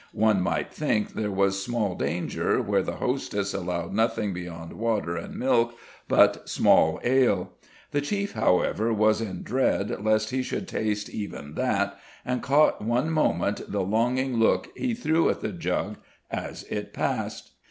One might think there was small danger where the hostess allowed nothing beyond water and milk but small ale; the chief, however, was in dread lest he should taste even that, and caught one moment the longing look he threw at the jug as it passed.